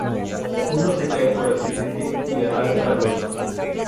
Uno se cae por accidente y arrastra al otro.